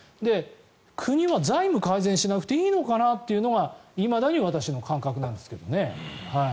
国は財務改善しなくていいのかなっていうのがいまだに私の感覚なんですけどね。